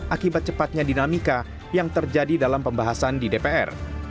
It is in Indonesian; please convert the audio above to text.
akibat cepatnya dinamika yang terjadi dalam pembahasan di dpr